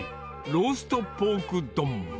ローストポーク丼。